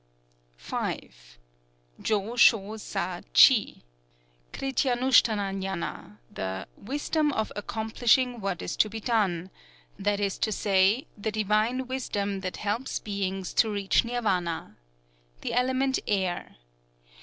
V. Jō shō sa chi (Krityânushthâna gñâna), the "Wisdom of accomplishing what is to be done;" that is to say, the divine wisdom that helps beings to reach Nirvana. The element Air.